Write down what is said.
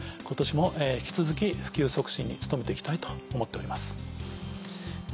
今年も引き続き普及促進に努めて行きたいと思っております。